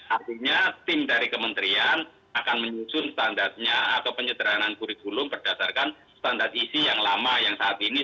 artinya tim dari kementerian akan menyusun standarnya atau penyederhanaan kurikulum berdasarkan standar isi yang lama yang saat ini